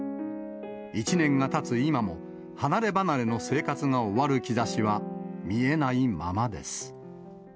１年がたつ今も、離れ離れの生活が終わる兆しは見えないままです。